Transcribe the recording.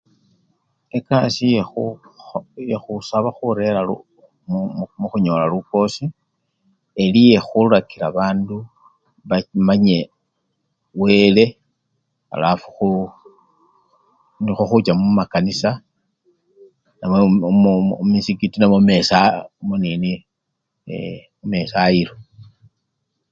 Ekasii yekhu kho! yekhusaba khurera yo! mu! mu! mukhunyola lukosi eli yekhulakila bandu ba! bamanye wele alafu khu! nikhwo khucha mumakanisa namwe mo! mumisikiti namwe mumesa! minini! mumesayilo.